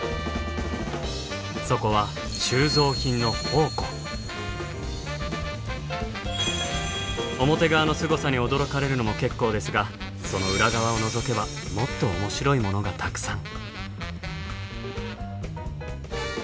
そこは表側のすごさに驚かれるのも結構ですがその裏側をのぞけばもっと面白いものがたくさん。